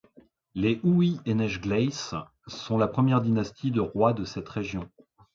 Les Uí Enechglaiss sont la première dynastie de rois de cette région.